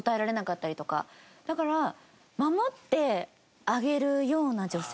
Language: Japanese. だから守ってあげるような女性？